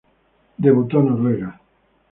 Debutó Noruega.